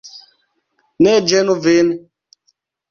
Ne ĝenu vin!